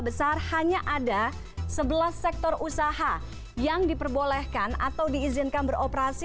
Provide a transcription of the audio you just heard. besar hanya ada sebelas sektor usaha yang diperbolehkan atau diizinkan beroperasi